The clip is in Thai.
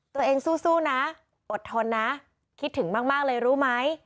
ตัวเองสู้นะอดทนนะคิดถึงมากเลยรู้ไหม